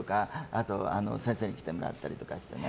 あとは先生に来てもらったりしてね。